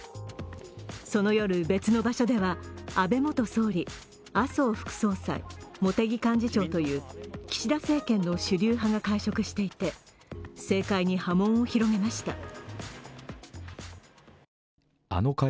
その夜、別の場所では安倍元総理、麻生副総裁、茂木幹事長という岸田政権の主流派が会食していて、政界に波紋を広げました。